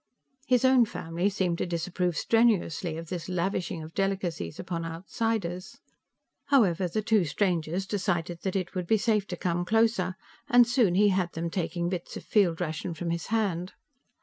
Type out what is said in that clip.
His own family seemed to disapprove strenuously of this lavishing of delicacies upon outsiders. However, the two strangers decided that it would be safe to come closer, and soon he had them taking bits of field ration from his hand.